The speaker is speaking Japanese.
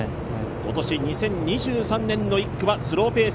今年２０２３年の１区はスローペース